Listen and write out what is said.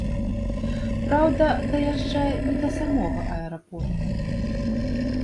Праўда, даязджае не да самога аэрапорта.